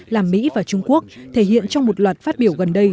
là mỹ và trung quốc thể hiện trong một loạt phát biểu gần đây